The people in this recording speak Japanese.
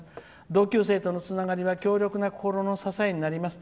同級生とのつながりは強力な心の支えにもなります。